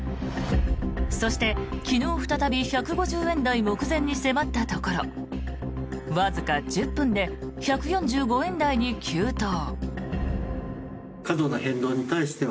そして、昨日再び１５０円台目前に迫ったところわずか１０分で１４５円台に急騰。